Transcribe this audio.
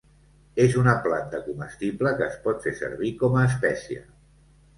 És una planta comestible que es pot fer servir com a espècia.